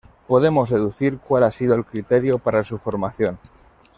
Podemos deducir cuál ha sido el criterio para su formación